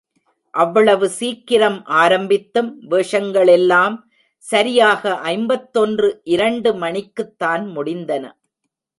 அவ்வளவு சீக்கிரம் ஆரம்பித்தும் வேஷங்களெல்லாம் சரியாக ஐம்பத்தொன்று இரண்டு மணிக்குத் தான் முடிந்தன.